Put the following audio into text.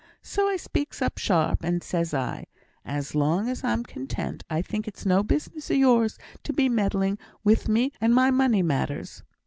So I speaks up sharp, and, says I, 'As long as I'm content, I think it's no business of yours to be meddling wi' me and my money matters.'